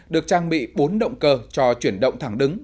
được trang bị bốn động cơ cho chuyển động thẳng đứng